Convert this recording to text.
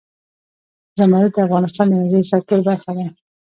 زمرد د افغانستان د انرژۍ سکتور برخه ده.